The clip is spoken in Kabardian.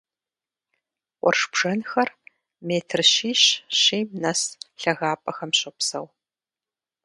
Къурш бжэнхэр метр щищ-щийм нэс лъагапӀэхэм щопсэу.